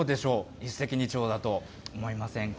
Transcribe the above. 一石二鳥だと思いませんか？